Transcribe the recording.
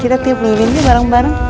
kita tiga puluh win nih bareng bareng